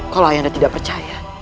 kalau ayah anda tidak percaya